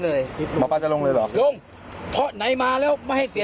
แล้วสุดท้ายนู่นนั่นละเค้าไหว้ไปตรงนั้นเนี่ย